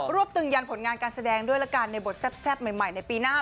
ตึงยันผลงานการแสดงด้วยละกันในบทแซ่บใหม่ในปีหน้า